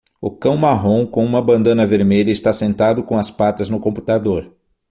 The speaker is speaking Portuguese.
O cão marrom com uma bandana vermelha está sentado com as patas no computador.